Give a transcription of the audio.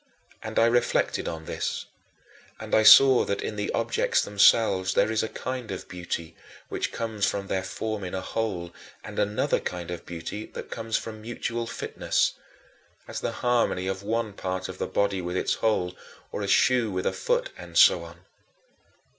And I reflected on this and saw that in the objects themselves there is a kind of beauty which comes from their forming a whole and another kind of beauty that comes from mutual fitness as the harmony of one part of the body with its whole, or a shoe with a foot, and so on.